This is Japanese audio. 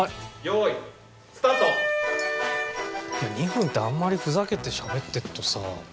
２分ってあんまりふざけてしゃべってるとさ。